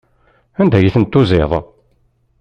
Anda ay ten-tuziḍ?